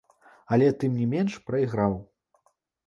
Але, тым не менш, прайграў.